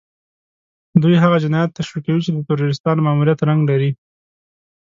دوی هغه جنايات تشويقوي چې د تروريستانو ماموريت رنګ لري.